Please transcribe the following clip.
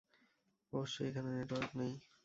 অবশ্যই এখানে নেটওয়ার্ক নেই।